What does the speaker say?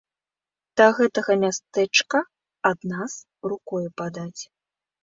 Да гэтага мястэчка ад нас рукою падаць.